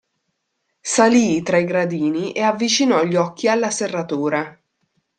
Salì i tre gradini e avvicinò gli occhi alla serratura.